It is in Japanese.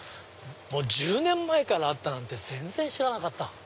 １０年前からあったなんて全然知らなかった。